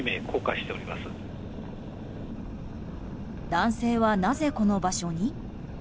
男性は、なぜこの場所に？